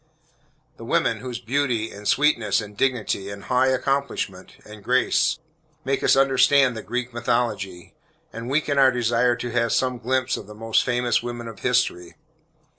The women, whose beauty, and sweetness, and dignity, and high accomplishment, and grace, make us understand the Greek mythology, and weaken our desire to have some glimpse of the most famous women of history.